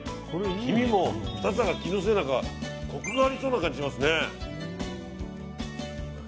黄身も２つだから、気のせいかコクがありそうな感じしますね。